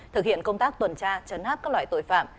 thực hiện công tác tuần tra trấn háp các loại tội phạm